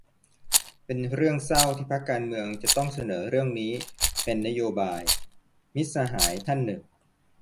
เป็นเรื่องเศร้าที่พรรคการเมืองจะต้องเสนอเรื่องนี้เป็นนโยบาย - มิตรสหายท่านหนึ่ง